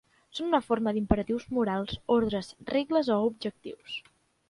Són una forma d'imperatius morals, ordres, regles o objectius.